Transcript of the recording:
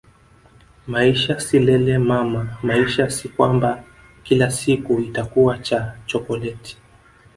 Maisha si lele mama maisha si kwamba kila siku itakuwa ni chokoleti